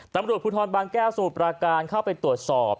ตำรวจภูทรบางแก้วสมุทรปราการเข้าไปตรวจสอบ